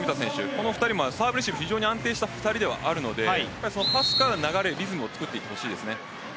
この２人もサーブレシーブ非常に安定した２人ではあるのでパスから流れ、リズムをつくってほしいです。